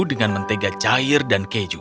dengan mentega cair dan keju